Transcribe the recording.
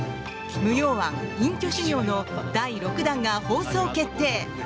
「無用庵隠居修行」の第６弾が放送決定！